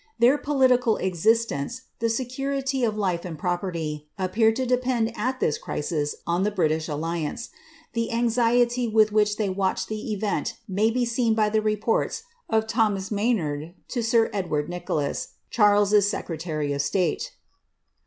Their political existence, irity of life and property, appeared to depend at this crisis on the dliance. The anxiety with which they watched the event may by the reports of Thomas Maynard to sir Edward Nicholas, 8 secretary of state.'